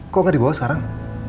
kok tidak dibawa sekarang